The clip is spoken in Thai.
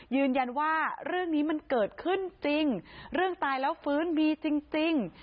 ยืนยันว่าเรื่องนี้มันเกิดขึ้นจริงเรื่องตายแล้วฟื้นมีจริง